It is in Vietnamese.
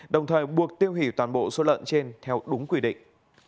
đồng thời buộc tiêu hủy toàn bộ số lợn trên theo đúng quy định